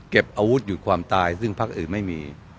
อาวุธหยุดความตายซึ่งพักอื่นไม่มี